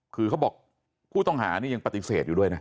คือเขาบอกผู้ต้องหานี่ยังปฏิเสธอยู่ด้วยนะ